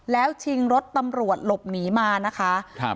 แล้วชิงรถตำรวจหลบหนีมานะคะครับ